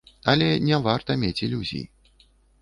Але не варта мець ілюзій.